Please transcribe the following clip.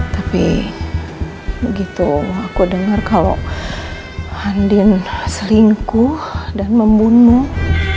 tapi begitu aku dengar kalau handin selingkuh dan membunuh